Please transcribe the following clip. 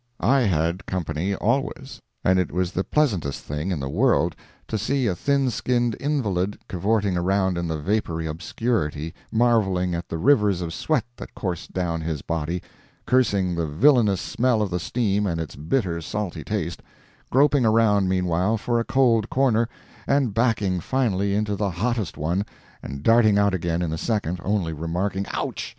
I had company always, and it was the pleasantest thing in the world to see a thin skinned invalid cavorting around in the vapory obscurity, marveling at the rivers of sweat that coursed down his body, cursing the villainous smell of the steam and its bitter, salty taste—groping around meanwhile, for a cold corner, and backing finally, into the hottest one, and darting out again in a second, only remarking "Outch!"